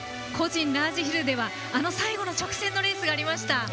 個人ラージヒルではあの最後の直線のレースがありました。